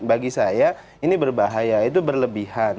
bagi saya ini berbahaya itu berlebihan